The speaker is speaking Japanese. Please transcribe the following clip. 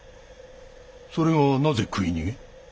それがなぜ食い逃げ？